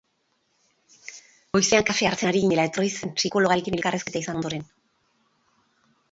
Goizean kafea hartzen ari ginela etorri zen psikologoarekin elkarrizketa izan ondoren.